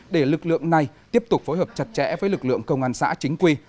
để lực lượng này tiếp tục phối hợp chặt chẽ với lực lượng công an xã chính quy